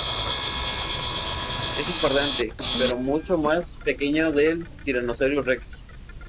Es un pariente, pero mucho más pequeño del "Tyrannosaurus rex".